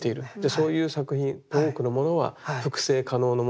そういう作品多くのものは複製可能なものであったりするんだけど。